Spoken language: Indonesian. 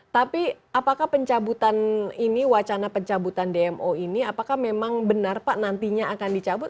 tapi apakah pencabutan ini wacana pencabutan dmo ini apakah memang benar pak nantinya akan dicabut